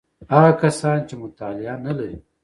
هغه کسان چې مطالعه نلري: